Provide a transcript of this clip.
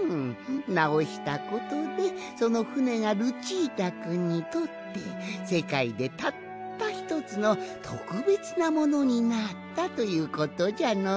なおしたことでそのふねがルチータくんにとってせかいでたったひとつのとくべつなものになったということじゃのう。